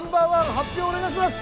発表お願いします。